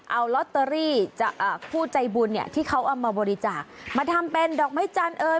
เอาลอตเตอรี่จากผู้ใจบุญเนี่ยที่เขาเอามาบริจาคมาทำเป็นดอกไม้จันทร์เอ่ย